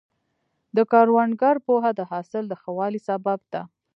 د کروندګر پوهه د حاصل د ښه والي سبب ده.